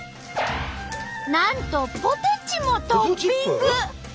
なんとポテチもトッピング！